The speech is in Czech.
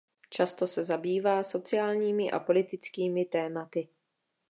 Často se zabývá sociálními a politickými tématy.